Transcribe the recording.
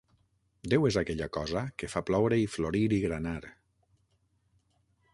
Déu és aquella cosa que fa ploure i florir i granar.